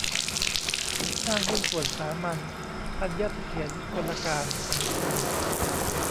ห้างหุ้นส่วนสามัญ ธัญเสถียรกลการ